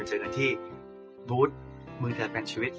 เจอกันที่บูธมือเธอเป็นชีวิต